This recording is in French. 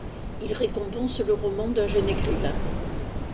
Il récompense le roman d'un jeune écrivain.